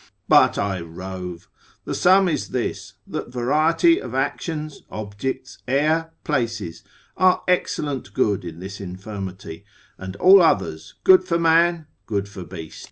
But I rove: the sum is this, that variety of actions, objects, air, places, are excellent good in this infirmity, and all others, good for man, good for beast.